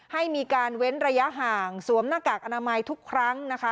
ให้มีการเว้นระยะห่างสวมหน้ากากอนามัยทุกครั้งนะคะ